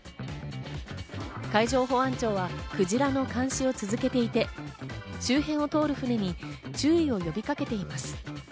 海上保安庁はクジラの監視を続けていて、周辺を通る船に注意を呼びかけています。